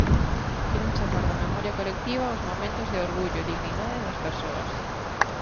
Queren sacar da memoria colectiva os momentos de orgullo e dignidade das persoas.